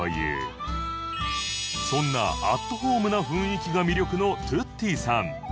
そんなアットホームな雰囲気が魅力の ｔｕｔｔｉ さん